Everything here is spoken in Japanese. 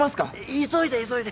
急いで急いで。